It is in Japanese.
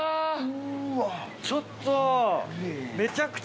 ちょっと！